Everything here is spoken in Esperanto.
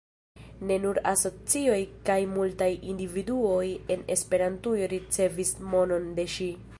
Ne nur asocioj kaj multaj individuoj en Esperantujo ricevis monon de ŝi.